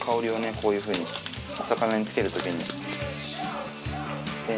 こういう風にお魚に付ける時に。